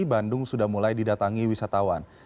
bandung sudah mulai didatangi wisatawan